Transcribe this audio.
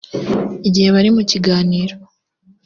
igihe bari mu kiganiro